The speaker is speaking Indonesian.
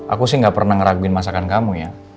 aku sih gak pernah ngeraguin masakan kamu ya